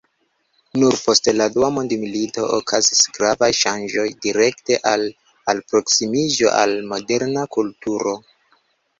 Nur post la dua mondmilito okazis gravaj ŝanĝoj direkte al alproksimiĝo al moderna kulturo.